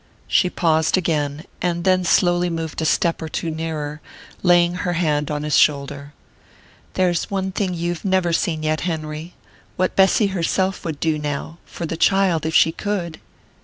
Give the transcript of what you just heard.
She paused again, and then slowly moved a step or two nearer, laying her hand on his shoulder. "There's one thing you've never seen yet, Henry: what Bessy herself would do now for the child if she could."